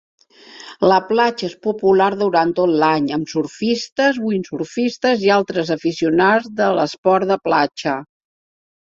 La platja és popular durant tot l'any amb surfistes, windsurfistes, i altres aficionats dels esports de platja.